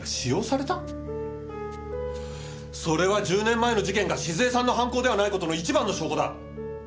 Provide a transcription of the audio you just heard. それは１０年前の事件が静江さんの犯行ではない事の一番の証拠だ。